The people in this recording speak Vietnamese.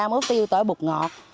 em mới ướp tiêu tỏi bột ngọt